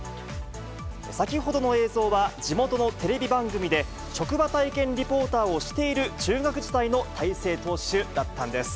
先ほどの映像は、地元のテレビ番組で、職場体験リポーターをしている中学時代の大勢投手だったんです。